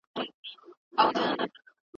څنګه کولای سو له نړیوالو تجربو څخه سمه ګټه واخلو؟